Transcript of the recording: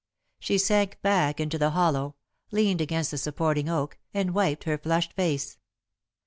She sank back into the hollow, leaned against the supporting oak, and wiped her flushed face.